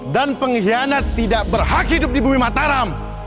dan pengkhianat tidak berhak hidup di bumi mataram